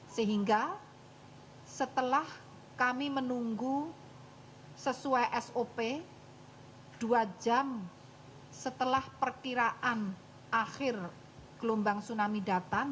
sehingga setelah kami menunggu sesuai sop dua jam setelah perkiraan akhir gelombang tsunami datang